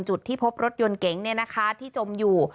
จุดที่พบรถยนต์เก๋งที่จมอยู่